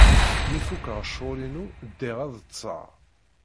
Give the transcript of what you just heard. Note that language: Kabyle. Mi fukeɣ ccɣel-inu, ddiɣ ad ḍḍseɣ.